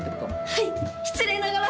はい失礼ながら！